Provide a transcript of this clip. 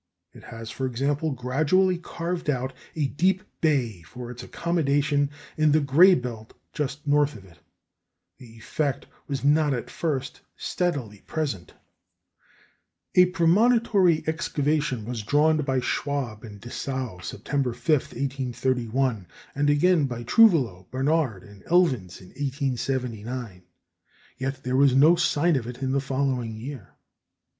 It has, for example, gradually carved out a deep bay for its accommodation in the gray belt just north of it. The effect was not at first steadily present. A premonitory excavation was drawn by Schwabe at Dessau, September 5, 1831, and again by Trouvelot, Barnard, and Elvins in 1879; yet there was no sign of it in the following year.